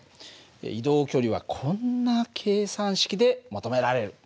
移動距離はこんな計算式で求められる。